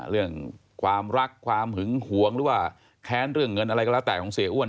เรื่องความรักความหึงหวงหรือว่าแค้นเรื่องเงินอะไรก็แล้วแต่ของเสียอ้วน